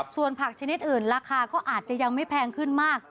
ส่วนผักชนิดอื่นราคาก็อาจจะยังไม่แพงขึ้นมาก